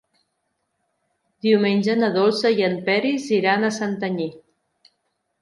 Diumenge na Dolça i en Peris iran a Santanyí.